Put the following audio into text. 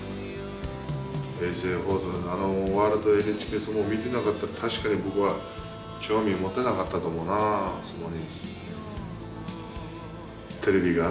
衛星放送のワールドＮＨＫ相撲見てなかったら確かに僕は興味持てなかったと思うな相撲に。